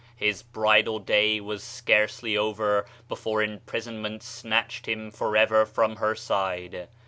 His bridal day was scarcely over before imprisonment snatched him forever from her side.